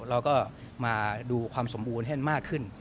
เราก็มาดูความสมบูรณ์ให้มากขึ้น